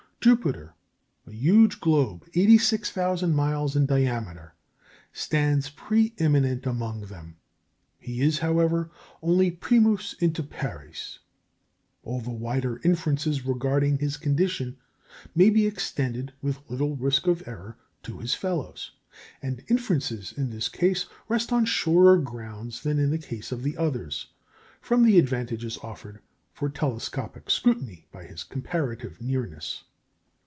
Jupiter, a huge globe 86,000 miles in diameter, stands pre eminent among them. He is, however, only primus inter pares; all the wider inferences regarding his condition may be extended, with little risk of error, to his fellows; and inferences in his case rest on surer grounds than in the case of the others, from the advantages offered for telescopic scrutiny by his comparative nearness.